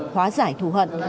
hóa giải thù hận